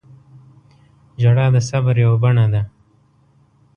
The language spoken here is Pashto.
• ژړا د صبر یوه بڼه ده.